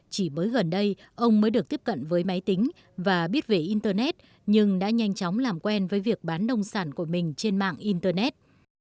chỉ mới gần đây ông mới được tiếp cận với máy tính và biết về internet nhưng đã nhanh chóng làm quen với việc bán nông sản của mình trên mạng internet